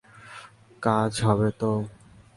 কাজ হবে তো?